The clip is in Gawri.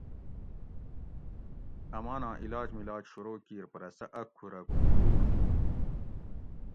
اماناں علاج ملاج شروع کِیر پرہ سہ ا کُھورہ کُھوٹور ہُو